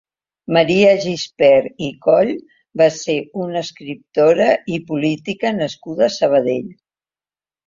Maria Gispert i Coll va ser una escriptora i política nascuda a Sabadell.